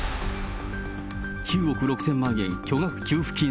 ９億６０００万円巨額給付金